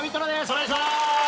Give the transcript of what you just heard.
お願いします。